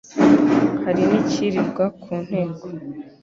Hari n' icyirirwa ku nteko,